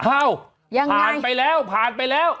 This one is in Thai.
ผ่านไปแล้วผ่านไปแล้ว